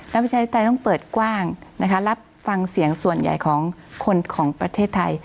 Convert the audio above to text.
แล้วประชาธิปไตยต้องเปิดกว้างนะคะรับฟังเสียงส่วนใหญ่ของคนของประเทศไทย